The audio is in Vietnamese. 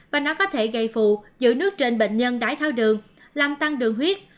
và nó có thể gây phụ giữ nước trên bệnh nhân đái tháo đường làm tăng đường huyết